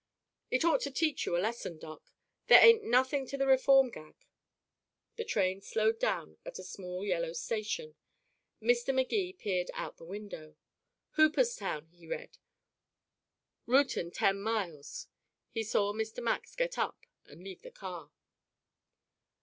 It ought to teach you a lesson, Doc. There ain't nothing to the reform gag." The train slowed down at a small yellow station. Mr. Magee peered out the window. "Hooperstown," he read, "Reuton 10 miles." He saw Mr. Max get up and leave the car.